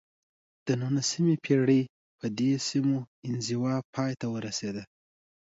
د نولسمې پېړۍ په دې سیمو انزوا پای ته ورسېده.